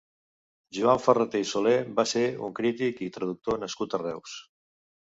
Joan Ferraté i Soler va ser un crític i traductor nascut a Reus.